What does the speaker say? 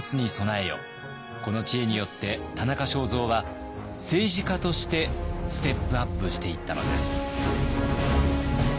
この知恵によって田中正造は政治家としてステップアップしていったのです。